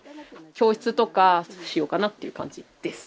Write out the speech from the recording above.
教室とかしようかなっていう感じです。